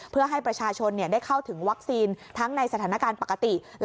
เพื่อให้ประชาชนได้เข้าถึงวัคซีนทั้งในสถานการณ์ปกติ